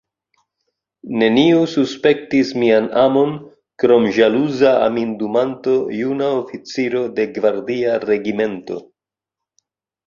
Neniu suspektis mian amon krom ĵaluza amindumanto, juna oficiro de gvardia regimento.